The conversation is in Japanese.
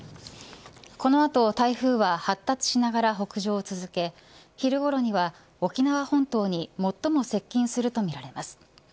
このあと台風は発達しながら北上を続け昼ごろには沖縄本島に最も接近するとみられます。